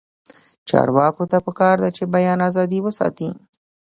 چارواکو ته پکار ده چې، بیان ازادي وساتي.